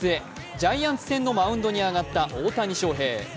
ジャイアンツ戦のマウンドに上がった大谷翔平。